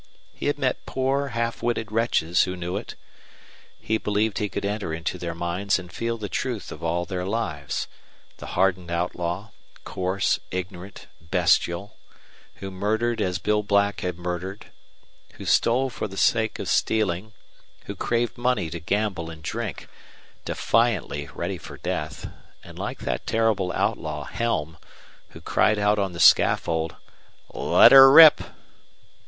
He had met poor, half witted wretches who knew it. He believed he could enter into their minds and feel the truth of all their lives the hardened outlaw, coarse, ignorant, bestial, who murdered as Bill Black had murdered, who stole for the sake of stealing, who craved money to gamble and drink, defiantly ready for death, and, like that terrible outlaw, Helm, who cried out on the scaffold, "Let her rip!"